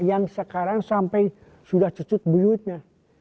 yang sekarang sampai sudah cucut buyutnya